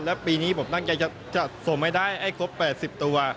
แล้วปีนี้ผมตั้งใจจะส่งให้ได้ให้ครบ๘๐ตัว